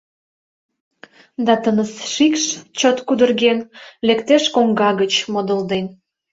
Да тыныс шикш, чот кудырген, Лектеш коҥга гыч, модылден.